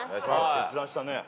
・決断したね。